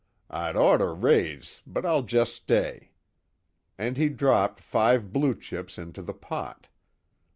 I'd ort to raise, but I'll jest stay." And he dropped five blue chips into the pot.